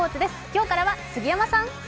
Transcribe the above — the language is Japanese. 今日からは杉山さん。